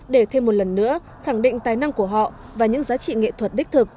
để thêm một lần nữa khẳng định tài năng của họ và những giá trị nghệ thuật đích thực